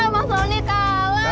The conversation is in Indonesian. ah mas roni kalah